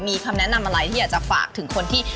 มีคำแนะนำอะไรที่อยากจะฝากถึงคนที่